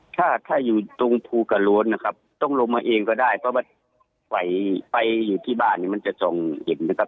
ถ้าถ้าอยู่ตรงภูกระโล้นนะครับต้องลงมาเองก็ได้เพราะว่าไฟไปอยู่ที่บ้านเนี่ยมันจะส่องเห็นนะครับ